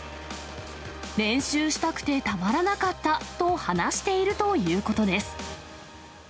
練習したくてたまらなかったと話しているということです。